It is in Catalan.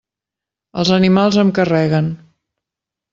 Els animals em carreguen.